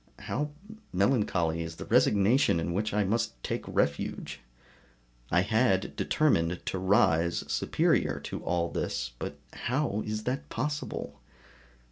How melancholy is the resignation in which I must take refuge! I had determined to rise superior to all this, but how is it possible?